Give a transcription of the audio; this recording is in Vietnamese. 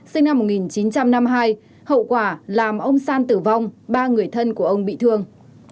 sinh năm một nghìn chín trăm năm mươi hai hậu quả làm ông san tử vong ba người thân của ông bị thương